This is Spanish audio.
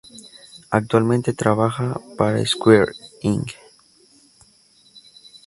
Actualmente trabaja para Square, Inc..